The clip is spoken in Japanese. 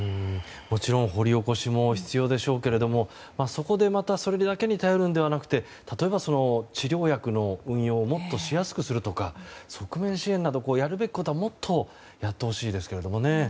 もちろん掘り起こしも必要でしょうけどそこでまたそれだけに頼るのではなくて例えば治療薬の運用をもっとしやすくするとか側面支援などやるべきことはもっとやってほしいですけども。